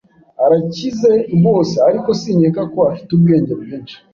Arakize, rwose, ariko sinkeka ko afite ubwenge bwinshi.